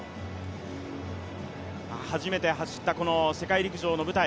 初めて走った世界陸上の舞台。